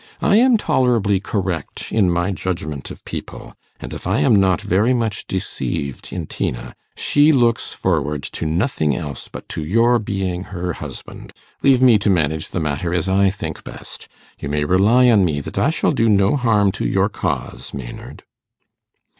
I am tolerably correct in my judgement of people; and if I am not very much deceived in Tina, she looks forward to nothing else but to your being her husband. Leave me to manage the matter as I think best. You may rely on me that I shall do no harm to your cause, Maynard.